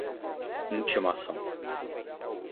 intimação